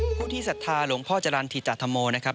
ผู้ที่ศรัทธาหลวงพ่อจรรย์ธิตาธรรมโมนะครับ